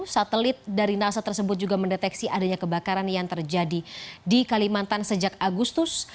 satelit dari nasa tersebut juga mendeteksi adanya kebakaran yang terjadi di kalimantan sejak agustus